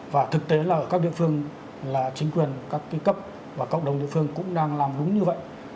và thực tế là ở các địa phương là chính quyền các cấp và cộng đồng địa phương cũng đang làm đúng như vậy